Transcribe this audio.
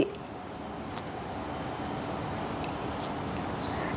xin chào quý vị